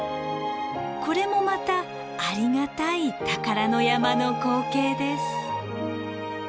これもまたありがたい宝の山の光景です。